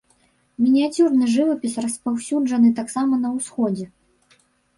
Мініяцюрны жывапіс распаўсюджаны таксама на ўсходзе.